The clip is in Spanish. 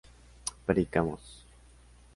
predicamos